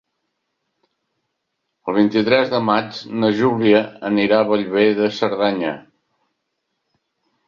El vint-i-tres de maig na Júlia anirà a Bellver de Cerdanya.